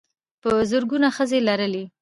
په زرګونه ښځې لرلې.